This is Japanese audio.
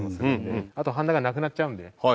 あとはんだがなくなっちゃうんで。